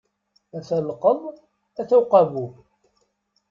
Ata lqeḍ, ata uqabub.